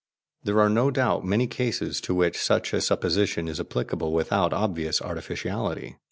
There are no doubt many cases to which such a supposition is applicable without obvious artificiality.